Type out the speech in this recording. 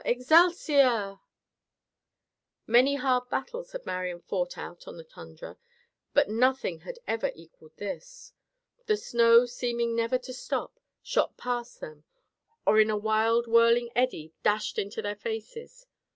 Excelsior!" Many hard battles had Marian fought out on the tundra, but nothing had ever equalled this. The snow, seeming never to stop, shot past them, or in a wild whirling eddy dashed into their faces.